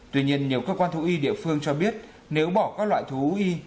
tuy nhiên nhiều cơ quan thú y địa phương cho biết nếu bỏ các loại thú y